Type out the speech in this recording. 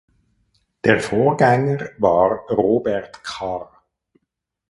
Der Vorgänger war Robert Karr.